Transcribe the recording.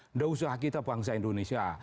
tidak usah kita bangsa indonesia